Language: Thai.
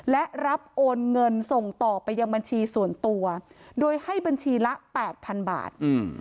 และรับโอนเงินส่งต่อไปยังบัญชีส่วนตัวโดยให้บัญชีละแปดพันบาท